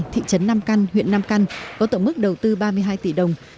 thị trấn nam căn huyện nam căn có tổng mức đầu tư ba mươi hai tỷ đồng